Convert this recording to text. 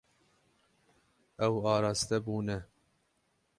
Ew araste bûne.